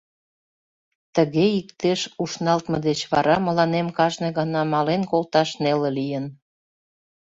Тыге иктеш ушналтме деч вара мыланем кажне гана мален колташ неле лийын.